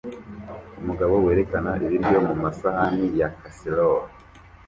Umugabo werekana ibiryo mumasahani ya casserole